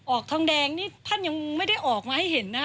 ออกทองแดงนี่ท่านยังไม่ได้ออกมาให้เห็นนะ